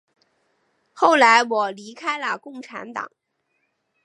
后来我离开了共产党。